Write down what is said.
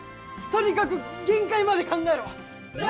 とにかく限界まで考えろ！